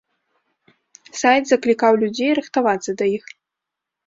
Сайт заклікаў людзей рыхтавацца да іх.